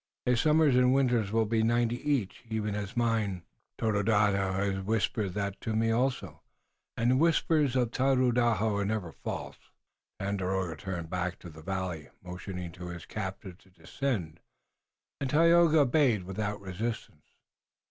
"His summers and winters will be ninety each, even as mine. Tododaho has whispered that to me also, and the whispers of Tododaho are never false." Tandakora turned back toward the valley, motioning to his captive to descend, and Tayoga obeyed without resistance.